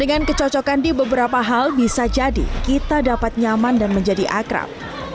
dengan kecocokan di beberapa hal bisa jadi kita dapat nyaman dan menjadi akrab